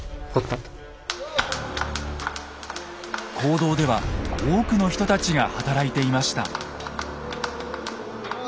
坑道では多くの人たちが働いていました。